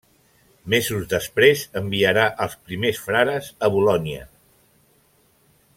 Mesos després enviarà els primers frares a Bolonya.